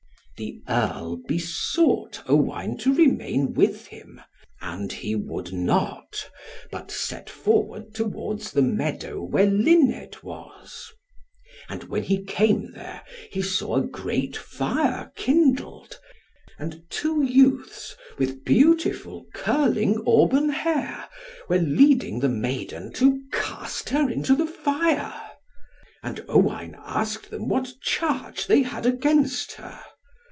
The Earl besought Owain to remain with him, and he would not, but set forward towards the meadow, where Luned was. And when he came there, he saw a great fire kindled, and two youths with beautiful curling auburn hair, were leading the maiden to cast her into the fire. And Owain asked them what charge they had against her.